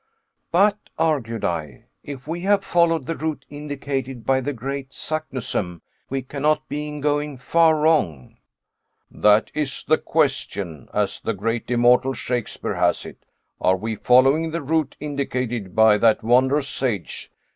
"But," argued I, "if we have followed the route indicated by the great Saknussemm, we cannot be going far wrong." "'That is the question,' as the great, the immortal Shakespeare, has it. Are we following the route indicated by that wondrous sage?